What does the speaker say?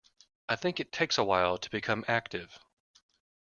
I think it takes a while to become active.